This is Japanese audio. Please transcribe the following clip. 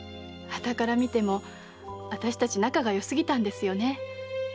はたから見てもあたしたち仲がよすぎたんですよね。